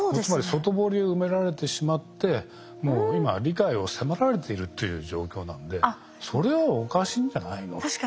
つまり外堀を埋められてしまってもう今理解を迫られているという状況なんでそれはおかしいんじゃないのと。